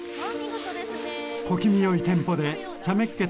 小気味よいテンポでちゃめっ気